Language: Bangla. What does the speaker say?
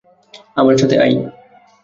আমার সাথে আই।